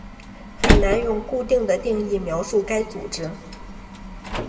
很难用固定的定义描述该组织。